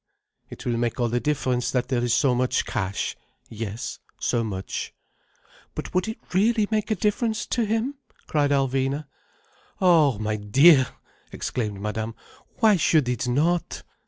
It will make all the difference that there is so much cash—yes, so much—" "But would it really make a difference to him?" cried Alvina. "Oh my dear!" exclaimed Madame. "Why should it not?